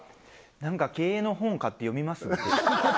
何か経営の本買って読みます